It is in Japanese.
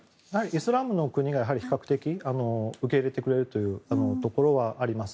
イスラムの国が比較的に受け入れてくれるというところはあります。